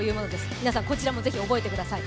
皆さんこちらも是非覚えてください。